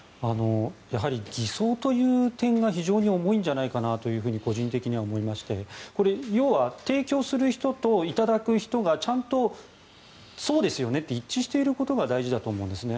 偽装という点が非常に重いんじゃないかなと個人的には思いましてこれ、要は提供する人といただく人がちゃんとそうですよねって一致していることが大事だと思うんですね。